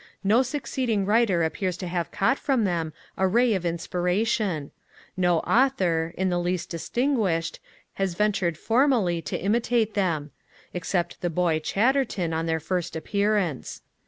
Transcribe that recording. No succeeding writer appears to have caught from them a ray of inspiration; no author, in the least distinguished, has ventured formally to imitate them except the boy, Chatterton, on their first appearance.